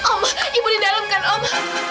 oh ibu di dalam kan om